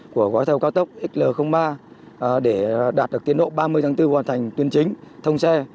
của gói thầu cao tốc xl ba để đạt được tiến độ ba mươi tháng bốn hoàn thành tuyên chính thông xe